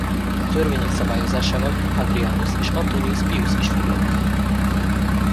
E törvények szabályozásával Hadrianus és Antonius Pius is foglalkozott.